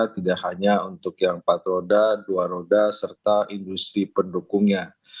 tidak hanya untuk yang empat roda dua roda serta industri pendukungnya